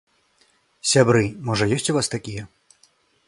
Сябры, можа ёсць у вас такія?